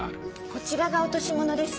こちらが落とし物です。